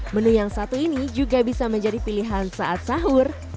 menu yang satu ini juga bisa menjadi pilihan saat sahur